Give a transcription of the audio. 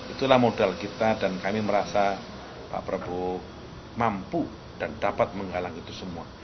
itulah modal kita dan kami merasa pak prabowo mampu dan dapat menghalang itu semua